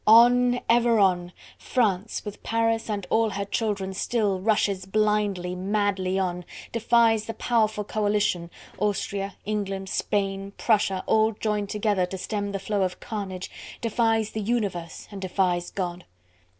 On! ever on! France, with Paris and all her children still rushes blindly, madly on; defies the powerful coalition, Austria, England, Spain, Prussia, all joined together to stem the flow of carnage, defies the Universe and defies God!